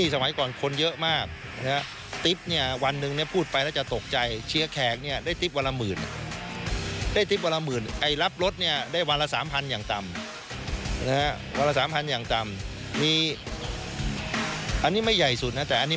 สามพันยังต่อมีอันนี้ไม่ใหญ่สุดนะแต่อันนี้